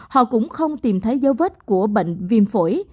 họ cũng không tìm thấy dấu vết của bệnh viêm phổi